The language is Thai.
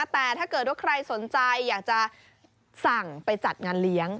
แต่ถ้าเกิดว่าใครสนใจอยากจะสั่งไปจัดงานเลี้ยง